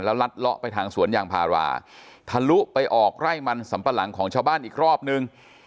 ลัดเลาะไปทางสวนยางพาราทะลุไปออกไร่มันสำปะหลังของชาวบ้านอีกรอบนึง